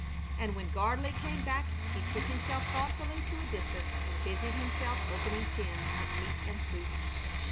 And when Gardley came back he took himself thoughtfully to a distance and busied himself opening tins of meat and soup.